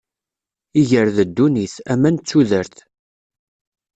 Iger d ddunit, aman d tudert.